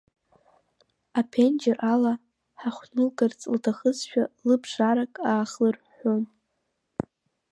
Аԥенџьыр ала ҳахәнылгарц лҭахызшәа, лыбжарак аахлырҳәҳәон…